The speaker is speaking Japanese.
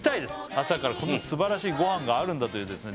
朝からこんな素晴らしいごはんがあるんだというですね